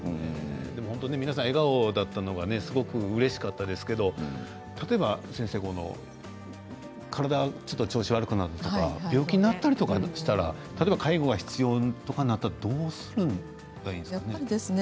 皆さん笑顔だったのがすごくうれしかったですけど例えば体の調子が悪くなったとか病気になったりとかしたら例えば、介護が必要になったらどうするんですか？